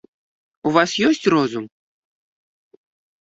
У вас ёсць розум?